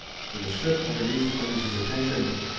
For the script underneath claims his attention.